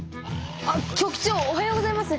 あっ局長おはようございます。